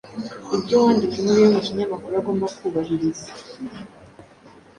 Ibyo uwandika inkuru yo mu kinyamakuru agomba kubahiriza